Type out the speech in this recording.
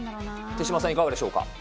手嶋さん、いかがでしょうか。